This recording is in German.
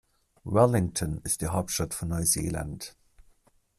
Wellington ist die Hauptstadt von Neuseeland.